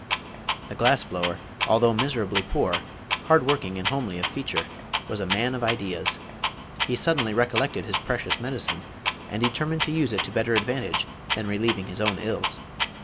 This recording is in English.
The glass blower, although miserably poor, hard working and homely of feature, was a man of ideas. He suddenly recollected his precious medicine, and determined to use it to better advantage than relieving his own ills.